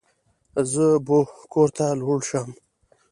زه بو کور ته لوړ شم.